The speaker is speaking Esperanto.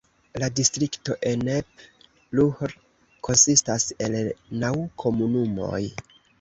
La distrikto Ennepe-Ruhr konsistas el naŭ komunumoj.